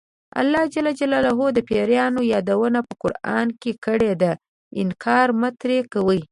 الله ج د پیریانو یادونه په قران کې کړې ده انکار مه ترې کوئ.